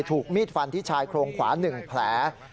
ถูกมีดฟันที่ชายโครงขวา๑แผล